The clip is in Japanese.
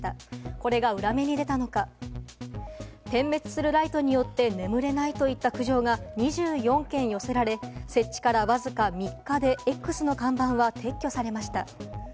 これが裏目に出たのか、点滅するライトによって眠れないといった苦情が２４件寄せられ、設置からわずか３日で「Ｘ」の看板は撤去されました。